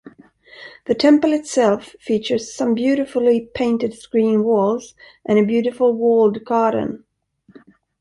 The temple itself features some beautifully painted screen walls, and a beautiful walled garden.